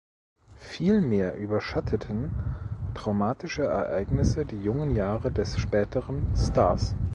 Vielmehr überschatteten traumatische Ereignisse die jungen Jahre des späteren Stars.